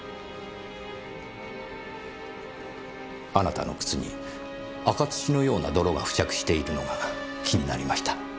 あなたの靴に赤土のような泥が付着しているのが気になりました。